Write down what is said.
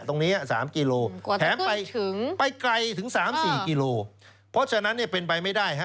ตรงนี้๓กิโลแถมไปถึงไปไกลถึง๓๔กิโลเพราะฉะนั้นเนี่ยเป็นไปไม่ได้ฮะ